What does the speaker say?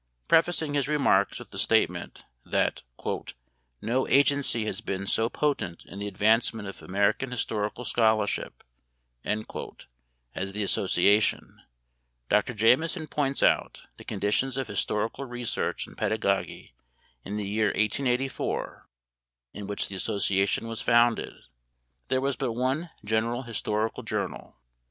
Prefacing his remarks with the statement that "no agency has been so potent in the advancement of American historical scholarship" as the association, Dr. Jameson points out the conditions of historical research and pedagogy in the year 1884, in which the association was founded. There was but one general historical journal.